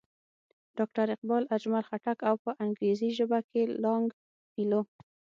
ډاکټر اقبال، اجمل خټک او پۀ انګريزي ژبه کښې لانګ فيلو